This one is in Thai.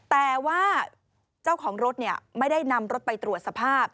แต่ว่าเจ้าของรถไม่ได้นำรถไปตรวจสภาพ